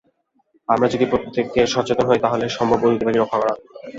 আমরা যদি প্রত্যেকে সচেতন হই, তাহলে সম্ভব অতিথি পাখি রক্ষা করা।